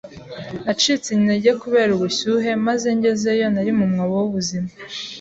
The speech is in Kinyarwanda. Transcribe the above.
Nacitse intege kubera ubushyuhe, maze ngezeyo, nari mu mwobo w'ubuzima.